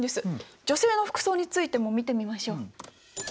女性の服装についても見てみましょう。